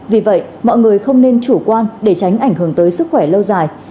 vì vậy mọi người không nên chủ quan để tránh ảnh hưởng tới sức khỏe lâu dài